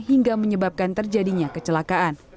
hingga menyebabkan terjadinya kecelakaan